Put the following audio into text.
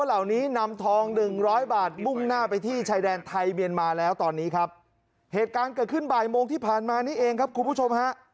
เหตุการณ์เกิดขึ้นบ่ายโมงที่ผ่านมานี้เองครับคุณผู้ชมฮะ